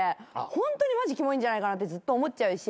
ホントにマジキモいんじゃないかなってずっと思っちゃうし。